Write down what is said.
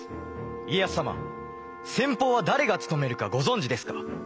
家康様先鋒は誰が務めるかご存じですか？